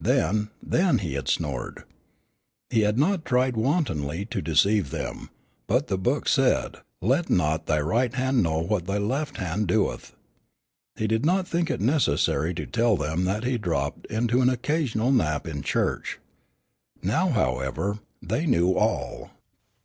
Then then he had snored. He had not tried wantonly to deceive them, but the Book said, "Let not thy right hand know what thy left hand doeth." He did not think it necessary to tell them that he dropped into an occasional nap in church. Now, however, they knew all.